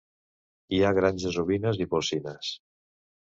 Hi ha granges ovines i porcines.